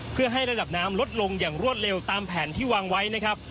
เพื่อให้ระดับน้ำลดลงอย่างรวดเร็วตามแผนที่วางไว้นะครับ